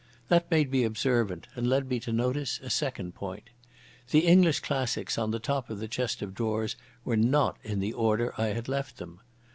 That made me observant and led me to notice a second point. The English classics on the top of the chest of drawers were not in the order I had left them.